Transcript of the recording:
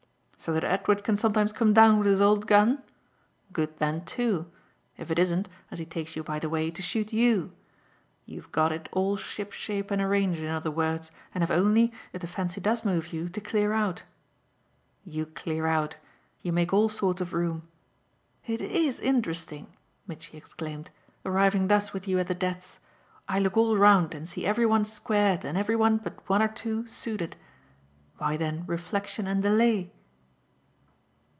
"So that Edward can sometimes come down with his old gun? Good then too if it isn't, as he takes you by the way, to shoot YOU. You've got it all shipshape and arranged, in other words, and have only, if the fancy does move you, to clear out. You clear out you make all sorts of room. It IS interesting," Mitchy exclaimed, "arriving thus with you at the depths! I look all round and see every one squared and every one but one or two suited. Why then reflexion and delay?"